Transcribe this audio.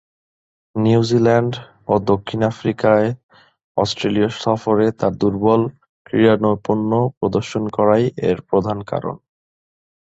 New Zealand ও দক্ষিণ আফ্রিকায় অস্ট্রেলিয়া সফরে তার দূর্বল ক্রীড়ানৈপুণ্য প্রদর্শন করাই এর প্রধান কারণ।